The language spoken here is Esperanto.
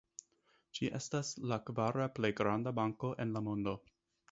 Ĝi estas la kvara plej granda banko en la mondo.